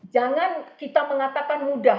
jangan kita mengatakan mudah